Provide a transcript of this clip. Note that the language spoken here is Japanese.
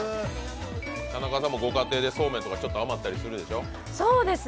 田中さんもご家庭でそうめんとか余ったりするでしょ？